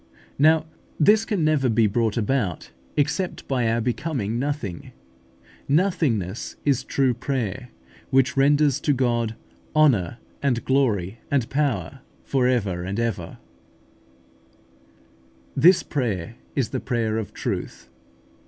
Now, this can never be brought about except by our becoming nothing. Nothingness is true prayer, which renders to God "honour, and glory, and power, for ever and ever" (Rev. v. 13). This prayer is the prayer of truth.